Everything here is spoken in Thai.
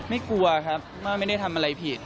ไม่กลัวครับไม่ได้ทำอะไรผิด